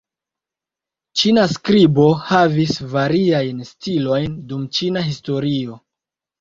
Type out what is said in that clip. Ĉina skribo havis variajn stilojn dum ĉina historio.